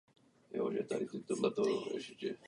Původně byla plánována stavba až osmi jednotek.